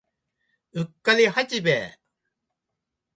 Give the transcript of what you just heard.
うっかり八兵衛